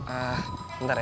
ehh ntar ya